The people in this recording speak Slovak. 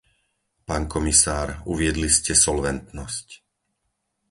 Pán komisár, uviedli ste Solventnosť.